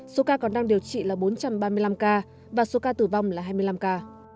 số ca còn đang điều trị là bốn trăm ba mươi năm ca và số ca tử vong là hai mươi năm ca